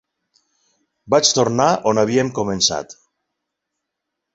Vaig tornar on havíem començat.